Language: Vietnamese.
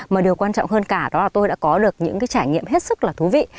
mà điều quan trọng hơn cả đó là tôi đã có được những cái trải nghiệm hết sức là thú vị